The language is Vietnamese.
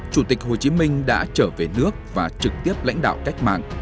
chủ tịch hồ chí minh đã trở về nước và trực tiếp lãnh đạo cách mạng